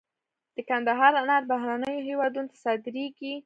د کندهار انار بهرنیو هیوادونو ته صادریږي